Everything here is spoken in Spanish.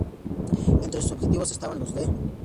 Entre sus objetivos, estaban los de